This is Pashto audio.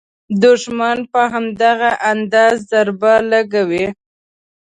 دوښمن په همدغه اندازه ضرب لګولی.